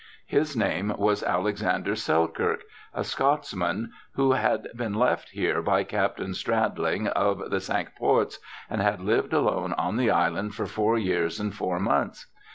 His name was Alexander Selkirk, a Scots man, who had been left here by Captain Stradling of the Cinque Ports, and had lived alone on the island for four years and four months.